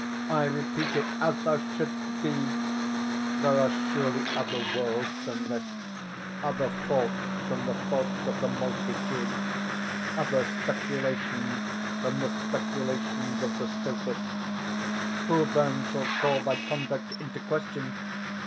I repeat it—as thou shouldst be. There are surely other worlds than this—other thoughts than the thoughts of the multitude—other speculations than the speculations of the sophist. Who then shall call thy conduct into question?